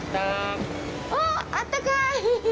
おっ、あったかーい。